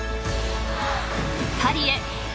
［パリへ！